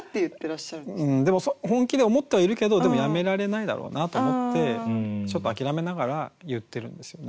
でも本気で思ってはいるけどでもやめられないだろうなと思ってちょっと諦めながら言ってるんですよね。